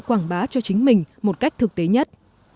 quảng bá cho chính mình một cách thực tế nhất